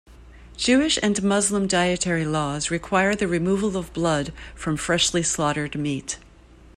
Jewish and Muslim dietary laws require the removal of blood from freshly slaughtered meat.